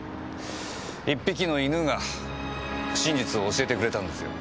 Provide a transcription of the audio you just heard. １匹の犬が真実を教えてくれたんですよ。